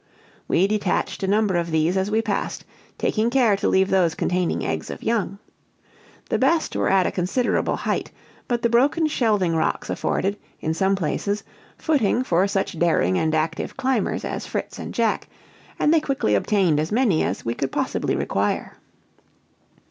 We detached a number of these as we passed, taking care to leave those containing eggs of young. The best were at a considerable height, but the broken shelving rocks afforded, in some places, footing for such daring and active climbers as Fritz and Jack, and they quickly obtained as many as we could possibly require.